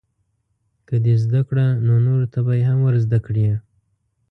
که دې زده کړه نو نورو ته به یې هم ورزده کړې.